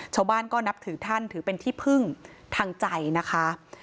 ชาวบ้านก็นับถือท่านถือเป็นที่พึ่งทางใจนะคะ